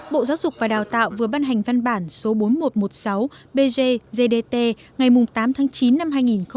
bộ giáo dục và đào tạo vừa ban hành văn bản số bốn nghìn một trăm một mươi sáu bggdt ngày tám tháng chín năm hai nghìn một mươi chín